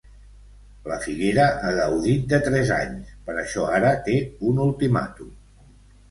La figuera ha gaudit de tres anys, per això ara té un ultimàtum.